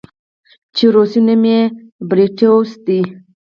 چې روسي نوم ئې Bratstvoدے